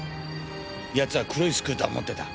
奴は黒いスクーターを持ってた。